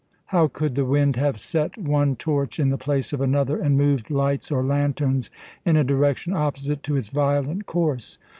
How could the wind have set one torch in the place of another, and moved lights or lanterns in a direction opposite to its violent course?